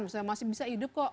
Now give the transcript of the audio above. misalnya masih bisa hidup kok